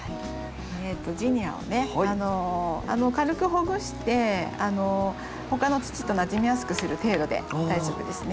ジニアをね軽くほぐして他の土となじみやすくする程度で大丈夫ですね。